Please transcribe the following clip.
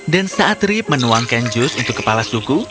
saat rip menuangkan jus untuk kepala suku